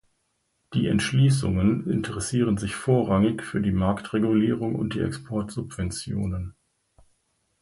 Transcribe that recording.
Die Entschließungen interessieren sich vorrangig für die Marktregulierung und die Exportsubventionen.